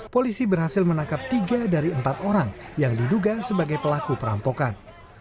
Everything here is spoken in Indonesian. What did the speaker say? polisi berhasil menangkap tiga dari empat orang yang diduga sebagai pelaku perampokan